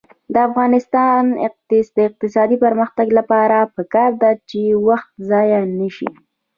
د افغانستان د اقتصادي پرمختګ لپاره پکار ده چې وخت ضایع نشي.